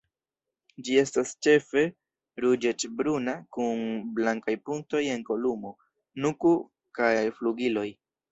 Ĝi estas ĉefe ruĝecbruna kun blankaj punktoj en kolumo, nuko kaj flugiloj.